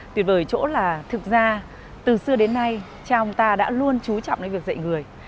tuyệt vời chỗ là thực ra từ xưa đến nay cha ông ta đã luôn trú trọng đến việc dạy người